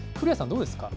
どうですか？